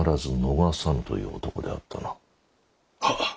はっ。